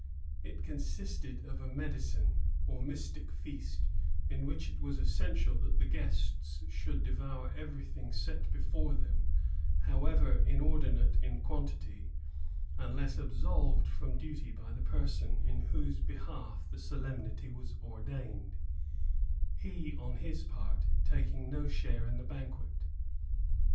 It con sisted of a ^* medicine" or mystic feast, in which it was essential that the guests should devour every thing set before them, however inordinate in quantity, unless absolved from duty by the person in whose behalf the solemnity was ordained, — he, on his part, taking no share in the banquet.